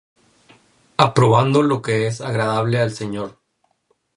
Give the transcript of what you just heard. Aprobando lo que es agradable al Señor.